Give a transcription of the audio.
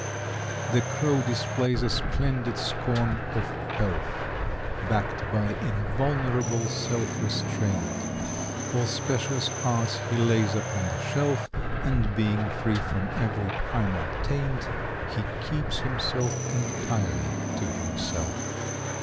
= The Crow displays a splendid scorn of pelf, Backed by invulnerable self restraint. All specious arts he lays upon the shelf, And, being free from every primal taint, He keeps himself entirely to himself.